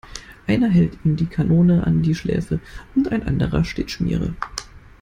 Einer hält ihm die Kanone an die Schläfe und ein anderer steht Schmiere.